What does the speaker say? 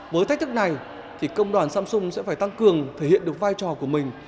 với thách thức này công đoàn samsung sẽ phải tăng cường thể hiện được vai trò của mình